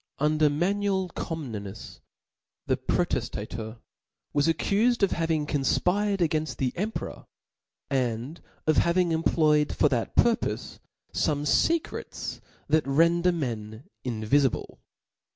Under Manuel Comnenus, the Protejtatcr {})^Nicetas, Was accufed of having confpired againft the erti nuercomt peror, and of having employed for that purpofe"^""^, fome fecrets that render men invifible.